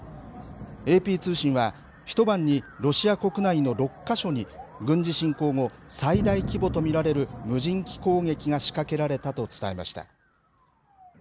ＡＰ通信は、一晩にロシア国内の６か所に、軍事侵攻後、最大規模と見られる無人機攻撃が仕掛けられたと伝えました。